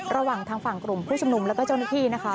ระหว่างทางฝั่งกลุ่มผู้ชุมนุมแล้วก็เจ้าหน้าที่นะคะ